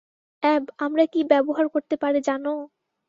অ্যাব, আমরা কী ব্যবহার করতে পারি জানো?